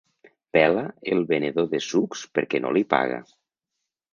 Pela el venedor de sucs perquè no li paga.